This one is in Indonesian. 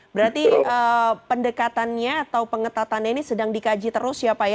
berarti pendekatannya atau pengetatannya ini sedang dikaji terus ya pak ya